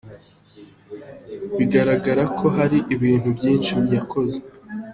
Bigaragara ko hari ibintu byinshi yakoze.